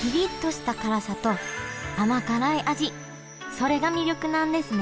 それが魅力なんですね